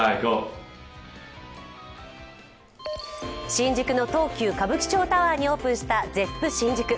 新宿の東急歌舞伎町タワーにオープンしたＺｅｐｐＳｈｉｎｊｕｋｕ。